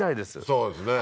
そうですね